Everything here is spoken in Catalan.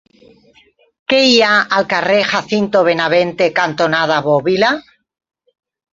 Què hi ha al carrer Jacinto Benavente cantonada Bòbila?